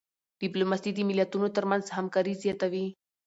ډيپلوماسي د ملتونو ترمنځ همکاري زیاتوي.